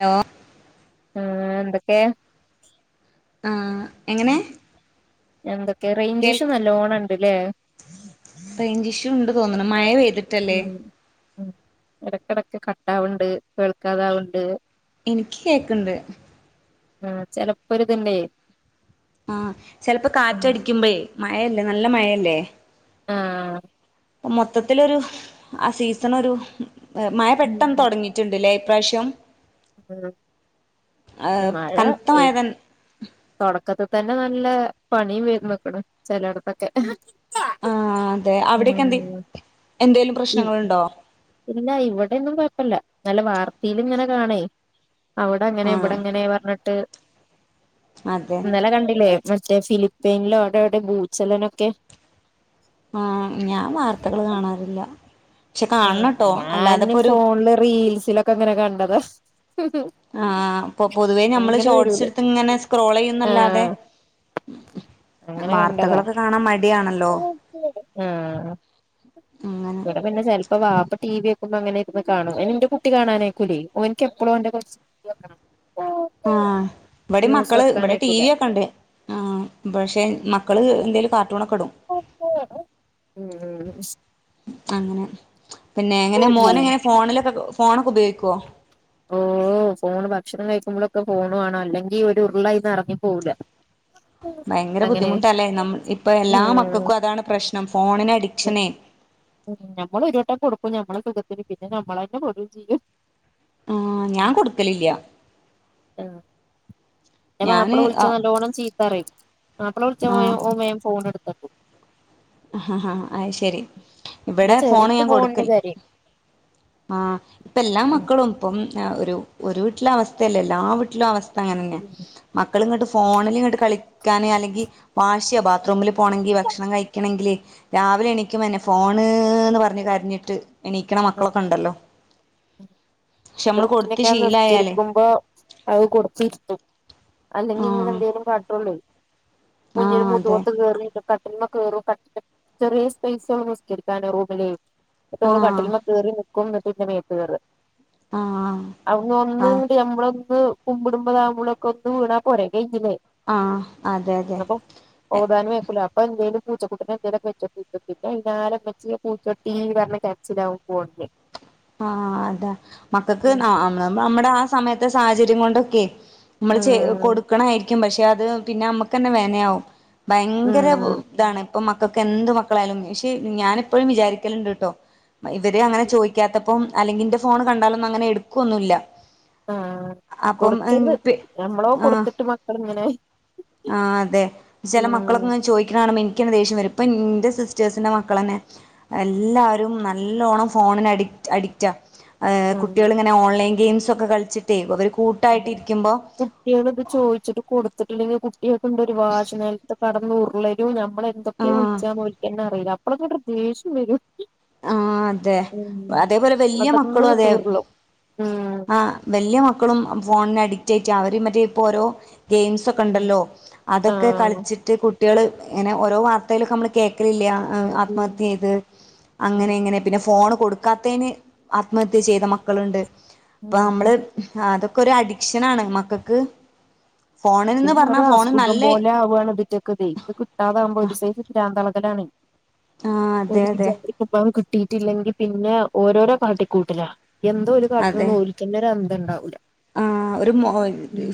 ഏ ആഹ് എന്തൊക്കെ? ആ എങ്ങനെ? എന്തൊക്കെ റേഞ്ച് കേൾ ഇഷ്യൂ നല്ലോണണ്ട്ല്ലേ? റേയ്ഞ്ചിഷ്യു ഇണ്ട് തോന്ന്ണ്. മഴ പെയ്ത്ട്ടല്ലെ? ഉം ഉം. എടക്കെടക്ക് കട്ടാവ്ണ്ട്. കേൾക്കാതാവ്ണ്ട്. ഇനിക്ക് കേക്ക്ണ്ട്. ആ ചെലപ്പൊരിത്ണ്ടെ ആഹ് ചെൽപ്പ കാറ്റടിക്കുമ്പെ മഴല്ലെ നല്ല മഴയല്ലേ ആഹ് ഇപ്പം മൊത്തത്തിലൊരു ആ സീസണൊരു മഴ പെട്ടെന്ന് ഉം തൊടങ്ങിട്ട് റ്റ്ണ്ട്ല്ലേ ഇപ്രാവശ്യം കൻത്തമയതൻ തൊടക്കത്തിൽ തന്നെ നല്ല പണിയും വന്ന്ക്ക്ണ് ചെലെട്ത്തൊക്കെ ആഹ് അതെ അവിടെക്കെ എന്ത എന്തേങ്കലും ഉം പ്രശ്നങ്ങള്ണ്ടോ ഇല്ല ഇവിടെ ഒന്നും കുഴപ്പല്ല. നല്ല വാർത്തീലിങ്ങനെ കാണേ. അവിടെ അങ്ങനെ ആഹ് ഇവിടെങ്ങനെ പറഞ്ഞിട്ട് അതെ ഇന്നലെ കണ്ടില്ലേ മറ്റേ ഫിലി പെയ്ന്ലൊ ഔടെ ടെ ഭൂച്ചലനൊക്കെ ആഹ് ഞാൻ വാർത്തകള് കാണാറില്ല പക്ഷെ ആ കാണണട്ടോ ഞാന് അല്ലാതെപ്പൊരു ഫോണില് റീൽസിലൊക്കെ ഇങ്ങനെ കണ്ടത ആഹ് അപ്പൊ പൊതുവേ നമ്മള് ഷോർട്സ് ഇട്ത്ത് ഇങ്ങനെ സ്ക്രോൾ ചെയ്യുന്നല്ലാതെ. ആഹ് വാർത്തകളൊക്കെ കാണാൻ മടിയാണല് ഉം അങ്ങന അപ ഇന്നെ ചെൽപ്പം വാപ്പ ടി വി വക്കുമ്പം അങ്ങനെ ഇര്ന്ന് കാണും. ഇന്റെ കുട്ടി കാണാനായക്കുലേ. ഓൻക്ക് എപ്പളും ഓന്റെ കൊറ്ച്ച് വി വെക്കണം ആഹ് ഇവടിം ന്യൂസ് മക്കള് ഇവിടെ ടി വെക്കാനയക്കൂല വി ഒക്കെ ഇണ്ട്. ആഹ് പക്ഷെ മക്കള് എന്തേലും പ ടൂണക്ക്ടും ഉം അങ്ങനെ പിന്നെ എങ്ങനെ മോന് ഉം എങ്ങനെ ഫോണിലൊക്കെ ഫോണൊക്കെ ഉപയോഗിക്കോ. ഉം ഓ ഫോണ് ഭക്ഷണം കഴിക്കുമ്പളൊക്കെ ഫോണു വാണം അല്ലെങ്കിൽഒരു ഉരുള അയ്ന് എറങ്ങിപ്പോവൂല്ല ഭയങ്കര ബുദ്ധിമുട്ടാല്ലെ ന ഇപ്പ എല്ലാ ഉം മക്കക്കും അതാണ് പ്രശ്നം ഫോണിന് അഡിക്ഷനേ ഉം നമ്മള് ഒരു വട്ടം കൊടുക്കും. ഞമ്മളെ സുഖത്തിന് പിന്നെ നമ്മളെ ന്നെ പെടു ചെയും ആഹ് ഞാൻ കൊടുക്കലില്ല ഇൻ്റെ ഞാന് മാപ്പള വിളിച്ച നല്ലോണം ചീത്തറിം. മാപ്പള ആഹ് വിളിച്ച മേം ഫോൺ എടുത്തക്കും. ഹ ഹാ അഹ് ശെരി ന്റെ ഇവിടെ ഫോണ് ചെറുത് ഞാൻ ഫോണിന് കൊടുക്കല് കരയും ആഹ് ഇപ്പ എല്ലാ ഉം മക്കളും ഇപ്പം ഒരു ഒരു വീട്ടിലെ അവസ്ഥയല്ലെ. എല്ലാ ആ വീട്ടിലും അവസ്ഥ അങ്ങനെന്ന മക്കള് ഇങ്ങട്ട് ഫോണില് ഇങ്ങട്ട് കളിക്കാന് അല്ലെങ്കി വാഷി ബാത്റൂമിൽ പോണെങ്കി ഭക്ഷണം കഴി ക്ക്ണങ്കിലെ രാവിലെ എണിക്കുമ എന്നെ ഫോണ്ന്ന് പറഞ്ഞ്കരഞ്ഞിട്ട്. എണീക്കണ മക്കളൊക്കെ ഉണ്ടല്ലോ എന്റെ കുട്ടിനൊക്കെ നിസ്ക്കരിക്കുമ്പോ അത് കൊടുത്തിരുത്തും അല്ലെങ്കി ഇങ്ങനെ ആഹ് എന്തേലും കാട്ടുള്ളൂ കുഞ്ഞിന് ആഹ് അതെ മൂതുകത്ത് കേറിട്ട് കാ [unintelligible] ചെറിയ സ്പെയിസ്ള്ളു നിസ്‌ക്കാരിക്കാന് റൂമിലേ ട്ട് ഓള് ആഹ് കട്ടിൽ മേൽ കേറി നിക്കും എന്നിട്ട് എന്റെ മേത്ത് കേറ ആഹ് അവ്ങ്ങ ഒന്ന് ആഹ് ഞമ്മളൊന്ന് കുമ്പിടുമ്പോ [unintelligible] കയിഞ്ഞില്ലേ ആഹ് അതെ അതെ ഓതാനും അയ്ക്കുലോ അപ്പൊ എന്തേലും പൂച്ചക്കുട്ടിനെ എന്തേലൊക്കെ വെച്ചൊടുക്കും [unintelligible] ഇമ്മച്ചി പൂച്ച ചടിച്ചീ പറഞ്ഞിട്ടേ ചിലാവൻ പോണ്ടേ ആഹ് അതാ മക്കക്ക് ഉം നമ്മ നമ്മട ആ സമയത്തെ സാഹചര്യം കൊണ്ടൊക്കെ നമ്മള് ചെ കൊടുക്കണായിരിക്കും പക്ഷെ അത് പിന്നെ നമ്മുക്കന്നെ വെനയാവും ഭയങ്കര ഉം ഇതാണ് അപ്പൊ മക്കൾക്ക് എന്ത് മക്കളായാലും പക്ഷെ ഞാനിപ്പോഴും വിചാരിക്കലിണ്ട്ട്ടോ ഇവര് അങ്ങനെ ചോ ത്തപ്പം അല്ലെങ്കി എന്റെ ഫോണ് കണ്ടാലൊന്നും അങ്ങനെ എടുക്കൊന്നു ഇല്ല ആഹ് കൊടുക്കേന്ന് നമ്മളോ ആഹ് കൊടുത്തിട്ട് മക്കളിങ്ങനെ ആഹ് അതെ ചില മക്കളൊക്കെ ഉം അങ്ങന ചോയിക്കണ കാണുമ്പോ എനിക്കന്നെ ദേഷ്യം വരും ഇപ്പൊ എന്റെ സിസ്റ്റേഴ്സിന്റെ മക്കളന്നെ എല്ലാരും നല്ലോണം ഫോണിന് അഡിക് അഡിക്റ്റാ. ഉം കുട്ടികളിങ്ങനെ ഓൺലൈൻ ഗെയിംസൊക്കെ കളിച്ചിട്ടേ അവർ കൂട്ടായിട്ടിരിക്കുമ്പോൾ കുട്ടികള് ഇത് ചോയിച്ചിട്ട് കൊടുത്തിട്ടില്ലെങ്കിൽ കുട്ടികൾക്ക് ഇണ്ടൊരു വാശി നിലത്ത് കിടന്നു ഉരുളരും ഞാ നമ്മള് എന്തൊക്കെയാ ആഹ് വിളിച്ചാന്ന് ഓൽക്കന്നെ അറിയില്ല അപ്പളന്ന ഒരു ദേഷ്യം വരും. ആഹ് അതെ ഉം അതേപോലെ വല്ല്യ മക്കളും കടന്നങ്ങട്ട് അതെ ഉരുളും ഉം ആഹ് വല്ല്യ മക്കളും ഫോണിന് അഡിക്റ്റ് ആയിട്ട് അവര മറ്റേ ഇപ്പോ ഓരോ ഗെയിംസ് ഒക് ഉം ക്കൊണ്ടല്ലോ അതൊക്കെ ആഹ് കളിച്ചിട്ട് കുട്ടികള് ഇങ്ങനെ ഓരോ വാർത്തയിലൊക്കെ നമ്മള് കേക്കലില്ല ആഹ് ആത്മഹത്യ ചെയ്ത്. ഉം അങ്ങനെ ഇങ്ങനെ പിന്നെ ഫോണ് കൊടുക്കാത്തേന് ആത്മഹത്യ ചെയ്ത മക്കള്ണ്ട് അപ്പ ഉം നമ്മള് ആ അതൊക്കെ ഒരു അഡിക്ഷനാണ് മക്കക്ക്. പിന്ന ഓരോ അസുഖം നല്ല പോലെ ആവുകാണ് ഇതിറ്റൊക്കെതേ ത് കിട്ടാതാവുമ്പോ ഒരു സൈസ് പ്രാന്തെളകലാണ് ആ ഒരു അതെ ഹിച അതെ ഇപ്പൊ കിട്ടീട്ടില്ലെങ്കിൽ പിന്നെ ഓരോരോ കാട്ടിക്കൂട്ടല എന്തോ ഒരു കാട്ടലന്ന് ഒര പിന്നെ ഒരു അന്തം ഇണ്ടാവൂല്ല. ആ ഒരു മ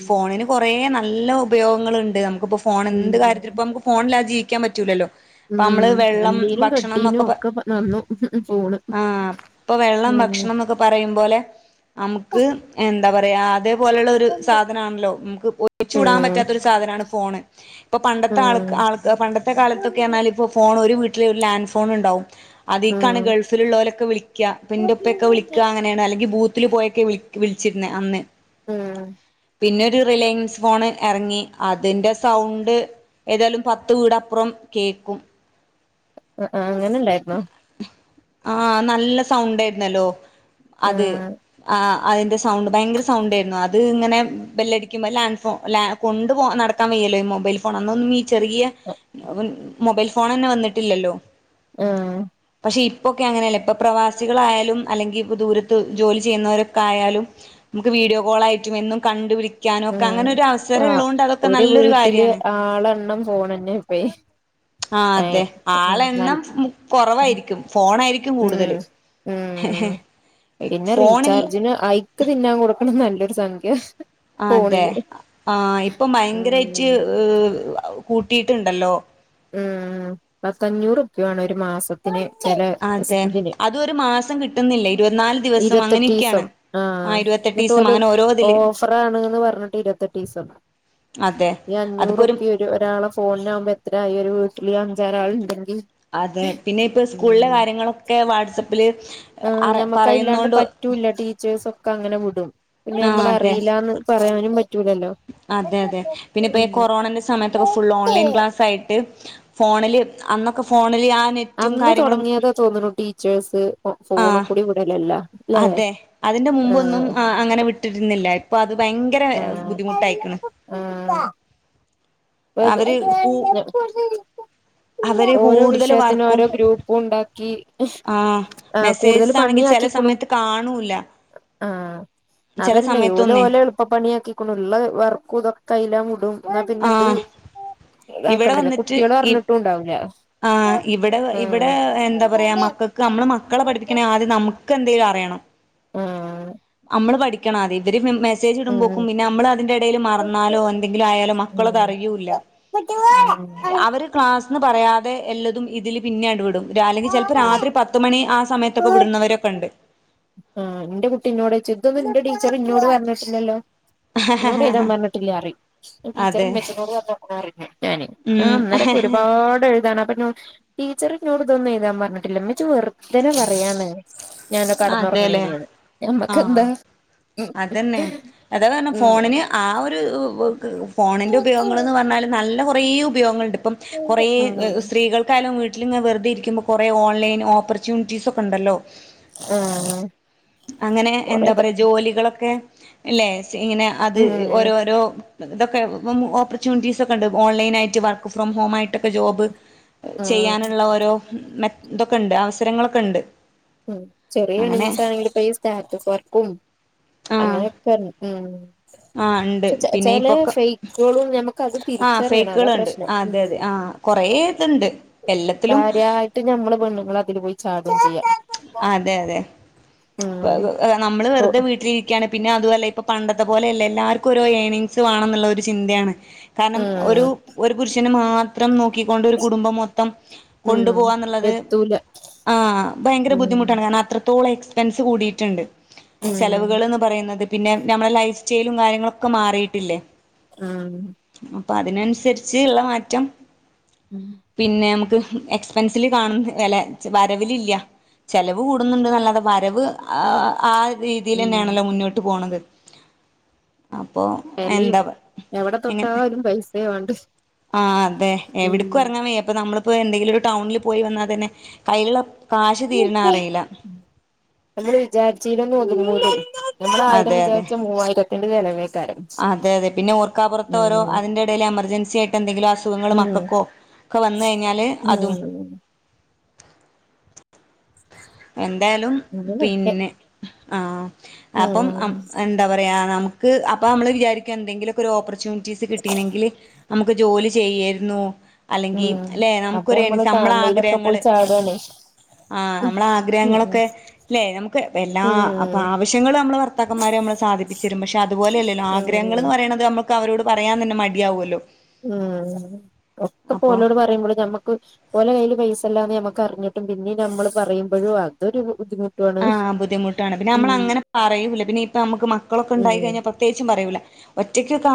ഫോണിന് കൊറെ നല്ല ഉപയോഗങ്ങളുണ്ട് നമുക്കിപ്പോ ഫോ ഫോൺ ഉം എന്ത് കാര്യത്തിൽ ഇപ്പോ നമുക്ക് ഫോണില്ലാതെ ജീവിക്കാൻ പറ്റൂല്ലല്ലോ അപ്പ ഉം നമ്മള് ഉം വെള്ളം നല്ലീനും ഭക്ഷണം കെട്ടീനും എന്നൊക്കെ ഒക്കെ നന്നു പോണ് ആ ഇപ്പൊ വെള്ളം ഉം ഭക്ഷണം എന്നൊക്കെ പറയും പോലെ നമുക്ക് എന്താ പറയാ അത് പോലുള്ള ഒരു ഉം സാധനാണല്ലോ നമുക്ക് ഒഴിച്ച്കുടാൻ ഉം പറ്റാത്ത ഒരു സാധനമാണ് ഫോണ്. ഇപ്പൊ പണ്ടത്തെ ആൾ ഉം ആൾ പണ്ടത്തെ കാലത്തൊക്കെ പറഞ്ഞാൽ ഇപ്പോ ഫോൺ ഒരു വീട്ടില് ഒരു ലാൻഡ് ഫോൺ ഇണ്ടാവും. അതിക്കാണ് ഉം ഗൾഫിൽ ഉള്ളോലൊക്കെ വിളിക്ക ഇപ്പ ഇന്റെ ഇപ്പയൊക്കെ വിളിക്ക അങ്ങനെയാണ് അല്ലെങ്കി ബൂത്തിൽ പോയൊക്കെ വി വിളിക്ക ച്ചിരുന്നെ അന്ന് ആഹ് പിന്നൊരു റിലയൻസ് ഫോണ് ഇറങ്ങി അതിൻ്റെ സൗണ്ട് ഏതായാലും പത്ത് വീടപ്പുറം കേക്കും. ആ അങ്ങനെ ഇണ്ടായിരുന്നോ? ആഹ് നല്ല സൗണ്ട് ആയിരുന്നല്ലോ അത് ഉം ആ അതിൻ്റെ സൗണ്ട് ഭയങ്കര സൗണ്ടായിരുന്നു. അത് ഇങ്ങനെ ബെല്ലടിക്കുമ്പോൾ ലാൻ ഫോ ല കൊണ്ട് പോ നട ക്കാൻ വയ്യല്ലോ, ഈ മൊബൈൽ ഫോൺ അന്നൊന്നും ഈ ചെറിയ മൊബൈൽ ഫോൺ തന്നെ വന്നിട്ടില്ലല്ലോ ആഹ് പക്ഷെ ഇപ്പൊക്കെ അങ്ങനെയല്ല, ഇപ്പൊ പ്രവാസികളായാലും അല്ലെങ്കിൽ ഇപ്പ ദൂരത്ത് ജോലി ചെയ്യുന്നവരൊക്കെ ആയാലും നമുക്ക് വീഡിയോ കോൾ ആയിട്ടും എന്നും കണ്ടു വിളി ഉം ആ ഒരു നല്ലൊരു വീട്ടില് കാര്യാണ് ആളെണ്ണം പോണന്നെ ഇപ്പയി ആ അതെ ആളെണ്ണം കുറവായിരിക്കും ഫോണ ആയിരിക്കും ഉം ഉം പിന്നെ ഫോണിൽ റീചാർജിന് ആയി തിന്നാൻ കൊടുക്കണം നല്ലൊരു സംഖ്യ. ആ അതെ ഫോണിന് ആ ഇപ്പൊ ഉം ഭയങ്കരയിട്ട് കൂട്ടിയിട്ടുണ്ടല്ലോ? ഉം പത്തഞ്ഞൂറുപ്പയ വേണം ഒരു മാസം ന് ചില അതെ ഇതിന് അതും ഒരു മാസം കിട്ടുന്നില്ല ഇരുപത്തിനാല് ദിവസം ഇരുപത്തെട്ട് അങ്ങനെയൊക്കെയാണ് ഈസം ആ ആഹ് എന്നിട്ട് ഇരുപത്തെട്ടീസം ഒല് അങ്ങനെ ഓരോതില് ഓഫറാണ്ന്ന് പറഞ്ഞിട്ട് ഇരുപത്തെട്ട് ദിവസം അതെ അതിപ്പോ ഒരു ഒരാളെ ഫോണ് ആവുമ്പോ എത്രായി ഒരു വീട്ടില് അഞ്ചാറ് ആൾുണ്ടെങ്കിൽ അതെ പിന്നെ ഇപ്പ സ്കൂളിലെ കാര്യങ്ങളൊക്കെ വാട്സപ്പില് ആ അ ഞമ്മക്ക് അത് ഇല്ലാണ്ട് പറയുന്നോണ്ട് പറ്റൂല്ല ടി സിസൊ ഒക്കെ അങ്ങനെ വിടും പിന്നെ ആ നമ്മള അതെ അറിയിലന്ന് പറയാനും പറ്റൂലല്ലോ? അതെ അതെ പിന്നെ ഇപ്പോ ഉം കൊറോണന്റെ സമയത്തൊക്കെ ഫുൾ ഓൺലൈൻ ക്ലാസ് ആയിട്ട് ഫോണില് അന്നൊക്കെ ഫോണില് ആ നെറ്റ് അന്ന് തുടങ്ങിയതാ തോന്നുന്നു ടീച്ചേഴ്സ് ഫോൺ ആഹ് കൂടി വിടെലല്ലാം. അതെ അതിന്റെ മുമ്പൊന്നും അങ്ങനെ വിട്ടിരുന്നില്ല. ഇപ്പൊ അത് ഭയ ഭയങ്കര ബുദ്ധിമുട്ടായ്ക്ക്ണ് ആഹ് ആഹ് കൂ [unintelligible] അവര് ഓരോ കൂടുതൽ വിഷയത്തിനും വർക്കും ഓരോ ഗ്രൂപ്പൂ ണ്ടാക്കി ആഹ് ആഹ് കൂടുതല് മെസ്സേജസ് ആണെങ്കി പണ്യാ ചെല ക്കീക്കുണു സമയത്ത് കാണൂല്ല. ആഹ് ചെല അതല്ലയ് ഓല് സമയത്തൊന്നേ ഓലെ എളുപ്പ പണ്യാ ക്കീക്കുണു ള്ള വർക്കൂ തൊക്കൈലാ വുടും ന്നാ പിന്നെ ഹ് ആഹ് ഇവിടെ താക്കണ്ടല്ലോ വന്നിട്ട് കുട്ട്യാള് ഇ അർഞ്ഞിട്ടുണ്ടാവൂല ആഹ് ഇവടെ ഇവടെ എന്താ പറയാ മക്കക്ക് അമ്മളെ മക്കളെ പഠിപ്പിക്കണ അത് നമുക്കെ ന്തേലും അറ്യേണം ആഹ് മ്മള് പഠിക്കണാദ്യം ഇത്തറീം മെമ് മെസ്സേജ് ഉം ട്മ്പക്കും പിന്നെ ഞമ്മള് അതിന്റെ എടേല് മർന്നാലോ ഉം എന്തെങ്കിലും ആയാലോ മക്കളത് അറിയൂല്ല അവര് ക്ലാസ്ന്ന് പറയാതെ എല്ലതും ഇതിൽ പിന്നണ്ട് വ്ടും അല്ലെങ്കി ചെലപ്പോ രാത്രി പത്ത് മണി ആ സമയ ട്ടൊക്കെ വിട്ണോരൊക്കണ്ട് ആഹ് ന്റെ കുട്ടി ന്നോടൊയ്ച്ചും ഇതൊന്നും ന്റെ ടീച്ചറ് ന്നോട് പർഞ്ഞ്ട്ടില്ലല്ലോ ന്നോട് എയ്താം പർഞ്ഞ്ട്ടില്ലാറീം ടീച്ചറ് അതെ മ്മച്ചിനോട് പർഞ്ഞ്ക്കുണു പർഞ്ഞ്ക്കുണു പർഞ്ഞു ഞാന് ആഹ് ഇന്നലെക്കെ ഉം ഒരുപാട് എഴ്താണ് അപ്പ ന്നൊട് ടീച്ചറ് ന്നോട് തൊന്നും എയ്താം പർഞ്ഞ്ട്ടില്ല മ്മച്ചി വെർതനെ പറയാണ് ഞാനൊ ആ കടന്നോറ അതെല്ലേ പണീലാന്ന് ആഹ് ഞമ്മക്കെന്താ ഉം അതന്നെ അതാ പർഞ്ഞേ ഉം ഫോണിന് ആഹ് ഒര് വേ ക് ഫോണിന്റെ ഉപയോഗങ്ങള് ന്ന് പർഞ്ഞാല് നല്ല കൊറേ ഉപയോഗങ്ങള്ണ്ട് ഇപ്പം കൊറേ ഉം സ്ത്രീകൾക്കായാലും വീട്ട വ്ട്ട്ലിങ്ങനെ വെർതെ രിക്കുമ്പോ കൊറേ ഓൺലൈൻ ഓപ്പർച്ച്യൂണിറ്റീ സൊക്കെ ണ്ടല്ലോ ആ അങ്ങനെ കൊറേ എന്താ പറയാ ജോലികളൊക്കെ ഇല്ലേ ഇങ്ങനെ അത് ഉം ഓരോരോ ഇതൊക്കെ ഹ്മ്മ് ഓപ്പർച്യൂണിറ്റീസൊക്കണ്ട് ഓൺലൈനായ്റ്റ് വർക്ക് ഫ്രോം ഹോമായ്ട്ടൊക്കെ ജോബ് ഉം ചെയ്യാന്ള്ള ഓരോ മെത് ഇതൊക്കെണ്ട് അവസരങ്ങളൊക്കണ്ട് ഹ്മ്മ് ചെറിയ ഏണിങ്ങ്സാണെങ്കില് ഇപ്പം ഈ സ്റ്റാറ്റസ് വർക്കും ആഹ് അങ്ങനൊക്കെ ഹ്മ്മ് ആഹ് ഉണ്ട് പക്ഷെ ചെ പിന്നെ ഈ ചെലേ പൊക്ക ഫെയ്ക്കളും ന മുക്കത് ആഹ് തിരിചെറിയണം അതാ ഫേക്കുകളുണ്ട് പ്രശ്നം അതെ ഹ്മ്മ് അതെ ആഹ് കൊറേ ഇതുണ്ട് [inaudible] എല്ലാത്തിലും കാര്യാ യിട്ട് ഞമ്മള് പെണ്ണ്ങ്ങളതില് പോയി ചാടുംചെയ്യാ ആഹ് അതെ അതെ [unintelligible] നമ്മള് ഓ വെറുതെ വീട്ട്ലിരി ക്ക്യാണ് പിന്നെ അതുവല്ല ഇപ്പ പണ്ടത്തെ പോലെയല്ല എല്ലർക്കും ഓരോ ഏണിങ്ങ്സ് വാണം ഇന്ന്ള്ള ഒര് ചിന്തായാണ് കാരണം ഒരു ഉം ഒര് പുരുഷന് മാത്രം നോക്കിക്കൊണ്ട് ഒരു കുടുംബം മൊത്തം ഉം കൊണ്ടു പോവാന്ന്ള്ളത് എത്തൂല ആഹ് ഭയങ്കര ഉം ബുദ്ധിമുട്ടാണ് കാരണം അത്ര ത്തോളം എക്സ്പെൻസ് കൂടീട്ട്ണ്ട് ഉം ചെലവ്കള്ന്ന് പറയുന്നത് പിന്നെ നമ്മുടെ ലൈഫ് സ്റ്റയ്ലും കാര്യങ്ങളൊക്കെ മാറീട്ടില്ലേ ആഹ് അപ്പതിനൻസരിച്ച്ള്ള മാറ്റം [inaudible] പിന്നെ ഞമ്മക്ക് എക്സ്പെൻസില് കാണ് വെല വരവിലില്ല ചെലവ് കൂട്ന്ന്ണ്ട്ന്നല്ലാതെ വരവ് ആഹ് ആ ഉം രീതീലെന്നേണല്ലോ മുന്നോട്ട് പോണത് അപ്പൊ വെലീം എന്താ എവടെ തൊട്ടാലും പൈസേ വാണ്ടേ ആഹ് അതെ എവട്ക്കും എറങ്ങാൻ വയ്യ ഇപ്പൊ നമ്മള്പ്പോ എന്തെങ്കിലും ഒര് ടൗണില് പോയി വന്നാ തന്നെ കയ്യ്ല്ള്ള ഇമ്മച്ചിയേ ഹ്മ്മ് നമ്മള് വിചാരിച്ചീലൊന്നും ഒത്ങ്ങൂലെയ് [inaudible] നമ്മള് ആയിരം അതെ അതെ വിചാരിച്ചാ മുവ്വായിരത്തിന്റെ ചെലവേക്കാരം അതെ അതെ പിന്നെ ഓർക്കാപ്പുറത്തോരോ ഉം അതിന്റെ എടേല് എമർജൻസ്യായിട്ടെന്തെങ്കിലും അസ് സുഖങ്ങള് ഉം മക്കക്കോ ഒക്ക വന്ന് കൈഞ്ഞാല് അതും ഉം [inaudible] എന്തായാലും അങ്ങനെയൊക്കെ പിന്നെ ആഹ് അപ്പം ഉം [unintelligible] എന്താ പറയാ നമക്ക് അപ്പ അമ്മള് വിചാരിക്ക എന്തെങ്കിലൊക്കെ ഒരു ഓപ്പർച്യൂണിറ്റീസ് കിട്ടീണെങ്കില് നമുക്ക് ജോലി ചെയ്യേർന്നു അല്ലെങ്കി ഉം അല്ലെ അപ്പൊ നമുക്കൊര് നമ്മള് എണിൻസ് നമ്മളെ കാണ്ണീലൊക്കെ പോയി ആഗ്രഹങ്ങള് ചാടാണേ ആഹ് ഉം നമ്മളെ ആ ഉം ഗ്രഹങ്ങളൊക്കെ ല്ലേ നമുക്ക് എല്ലാ അപ്പാവശ്യങ്ങള് നമ്മളെ ഭർത്താക്കന്മാര് നമ്മളെ സാധിപ്പിച്ചെരും പക്ഷെ അതുപോലെയല്ലല്ലോ ആ ഹ്മ്മ് വേണം അത് നമ്മക്ക് അവരോട് പറയാൻ തന്നെ മടിയാവല്ലോ ഹ്മ്മ് ഒക്കപോലോട് പറയുമ്പോള് ഞമ്മക്ക് ഓലെ കയ്യില് പൈസല്ലാന്ന് നമ്മക്കറിഞ്ഞിട്ടും പിന്നിത് നമ്മള് പറയുമ്പഴും അതൊരു ബുദ്ധിമു ആഹ് ബുദ്ധിമുട്ടാണ്. പിന്ന നമ്മളങ്ങനെ പറയൂല പിന്നെ ഇപ്പ നമക്ക് മക്കളൊക്കെ ഉം ഇണ്ടായി കഴിഞ്ഞാ പ്ര ത്യേകിച്ചും പറയൂല.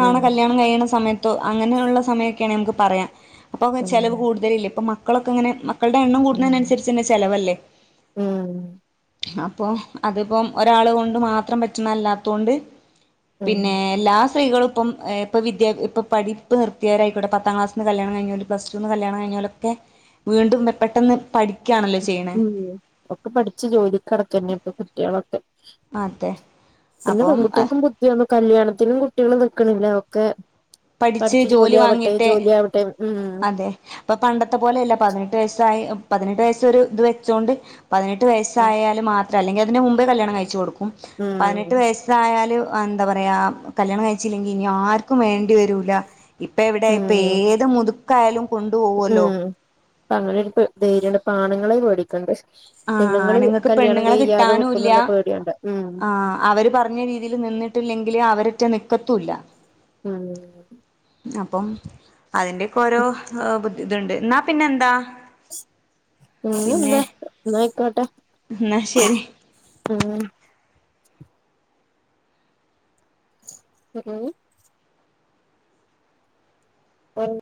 ഉം കല്യാണം കഴിയ്ണ സമയത്ത് ത്തോ അങ്ങനെയുള്ള സമയൊക്കേണെ നമുക്ക് പറയാം. അപ്പോ ഉം ചെലവ് കൂടുതലില്ല ഇപ്പോ മക്കളൊക്കെങ്ങനെ മക്കളുടെ എണ്ണം ഉം കൂടുന്നതിനനുസരിച്ചന്നെ ചെലവല്ലേ ഉം അപ്പം അത്പ്പം ഒരാളെ കൊണ്ട് മാത്രം പറ്റുന്നല്ലാത്തൊണ്ട് ഉം പിന്നെ എല്ലാ സ്ത്രീകൾക്കും ഏഹ് ഇപ്പം ഇപ്പ വിദ്യാ ഇപ്പ പഠിപ്പ്‌ നിർത്തിയാരായിക്കോട്ടെ പത്താം ക്ലാസിന്ന് കല്യാണം കഴിഞ്ഞോല് പ്ലസ്ടുന്ന് കല്യാണം കഴിഞ്ഞോലൊക്കെ വീണ്ടും പെട്ടൊന്ന് പഠി ഹ്മ്മ് ഒക്കെ പഠിച്ച് ജോലി കടക്കഞ്ഞെ ഇപ്പൊ കുട്ടിയേളൊക്കെ അതെ പിന്നെ അപ്പം പെൺകുട്ടിയക്കും ഒന്നും കല്യാണത്തിനും കുട്ടികളും നിക്കണില്ല ഒക്കെ പഠിച്ചു ജോലി ആവട്ടെ ജോലി ആവട്ടെ ഉം അപ്പൊ പണ്ടത്തെ പോലെയല്ല പതിനെട്ട് വയസ്സായി പതിനെട്ട് വയസ്സ ഒരു ഇത് വെച്ചൊണ്ട് പതിനെട്ട് വയസ്സായാല് മാത്രം അല്ലെങ്കിൽ അതിന്റെ മുമ്പേ കല്യാണം കഴിച്ചു കൊടുക്കും ഉം പതിനെട്ട് വയസ്സ് ഇയല് എന്താ പറയാ കല്യാണം കഴിച്ചില്ലെങ്കിൽ ഇനി ആർക്കും വേണ്ടി വരൂല്ല ഇപ്പ എവിടെ ഇപ്പ ഉം ഏത് മുതുക്കായാലും കൊണ്ടു പോോവല്ലോ അപ്പൊ അങ്ങനെ ഇ ധൈര്യണ്ട് പാണങ്ങളെ മേടിക്കണ്ട് ആഹ് പെണ്ണ്ങ്ങള് ആണുങ്ങൾക്ക് കല്യാണം പെണ്ണുങ്ങളെ കഴ്യാതെ കിട്ടാനും ഇല്ല നക്കുന്നുള്ള പേടിയണ്ട ഉം ആഹ് അവര് പറഞ്ഞ രീതിയിൽ നിന്നിട്ടില്ലെങ്കില് അവരറ്റ നിക്കത്തുംല്ല ഉം അപ്പം അതിന്റെയ ഒക്കെ ഓരോ ബുദ്ധി ഇതുണ്ട് എന്നാ പിന്നെ എന്താ ഉം എന്താ ന്നാ ആയിക്കോട്ടെ എന്ന ശരി ഉം ഉം ഓഹ്